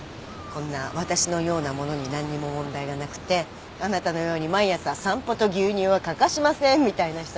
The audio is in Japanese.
こんな私のような者に何にも問題がなくてあなたのように毎朝散歩と牛乳は欠かしませんみたいな人がね。